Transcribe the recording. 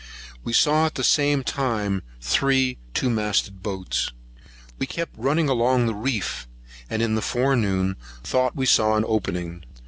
We saw at the same time three two masted boats. We kept running along the reef, and in the forenoon thought we saw an opening.